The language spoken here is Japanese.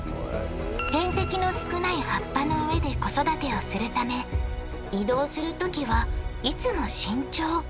天敵の少ない葉っぱの上で子育てをするため移動するときはいつも慎重。